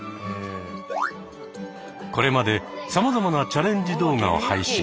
これまでさまざまなチャレンジ動画を配信。